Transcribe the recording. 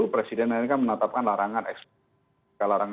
presiden lainnya menatapkan larangan